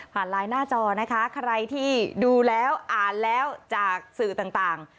ไลน์หน้าจอนะคะใครที่ดูแล้วอ่านแล้วจากสื่อต่าง